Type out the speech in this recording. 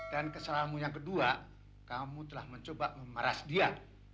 dan kesalahanmu yang kedua kamu telah mencoba memeras dia